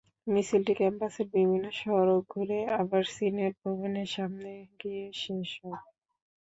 মিছিলটি ক্যাম্পাসের বিভিন্ন সড়ক ঘুরে আবার সিনেট ভবনের সামনে গিয়ে শেষ হয়।